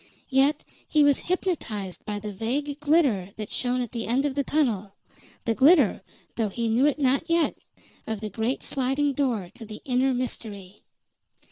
Yet he was hypnotized by the vague glitter that shone at the end of the tunnel the glitter, though he knew it not yet, of the great sliding door to the inner mystery.